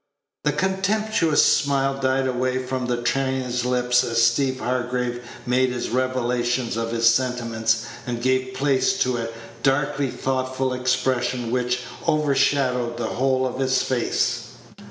The contemptuous smile died away from the trainer's lips as Steeve Hargraves made this revelation of his sentiments, and gave place to a darkly thoughtful expression, which overshadowed the whole of his face.